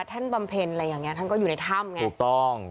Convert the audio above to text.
บำเพ็ญอะไรอย่างนี้ท่านก็อยู่ในถ้ำไงถูกต้อง